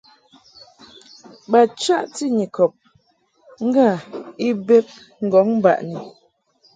Ba chaʼti Nyikɔb ŋgâ i bed ŋgɔŋ baʼni.